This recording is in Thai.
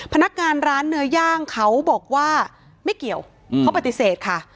พนักงานร้านเนื้อย่างเขาบอกว่าไม่เกี่ยวเขาปฏิเสธค่ะ